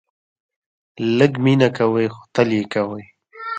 لږ مینه کوئ ، خو تل یې کوئ